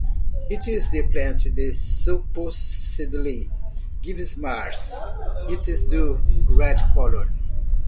It is this plant that supposedly gives Mars its dull red colour.